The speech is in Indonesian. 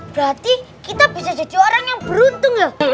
berarti kita bisa jadi orang yang beruntung loh